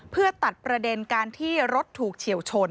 เพื่อตัดประเด็นการที่รถถูกเฉียวชน